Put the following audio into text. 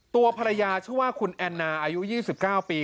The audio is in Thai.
ตัวภรรยาชื่อว่าคุณแอนนาอายุ๒๙ปี